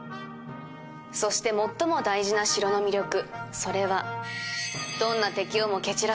そして、最も大事な城の魅力それは。